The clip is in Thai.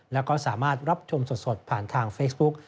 แล้วก็สามารถรับชมสดผ่านทางเฟซบุ๊ก